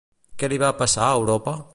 Què li va passar a Europa?